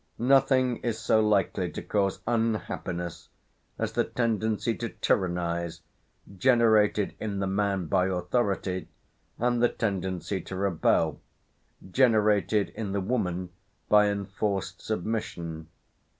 Nothing is so likely to cause unhappiness as the tendency to tyrannize, generated in the man by authority, and the tendency to rebel, generated in the woman by enforced submission.